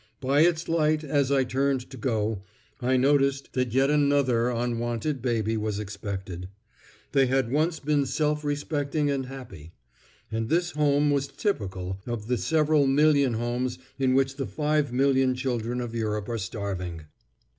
By its light, as I turned to go, I noticed that yet another unwanted baby was expected. They had once been self respecting and happy. And this home was typical of the several million homes in which the five million children of Europe are starving.